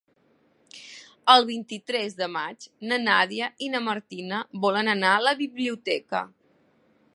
El vint-i-tres de maig na Nàdia i na Martina volen anar a la biblioteca.